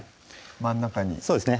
真ん中にそうですね